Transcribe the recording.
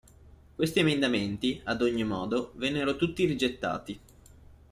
Questi emendamenti, ad ogni modo, vennero tutti rigettati.